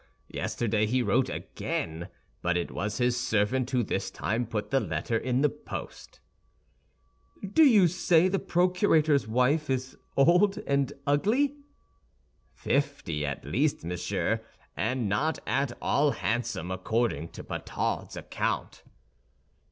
Yesterday he wrote again; but it was his servant who this time put the letter in the post." "Do you say the procurator's wife is old and ugly?" "Fifty at least, monsieur, and not at all handsome, according to Pathaud's account."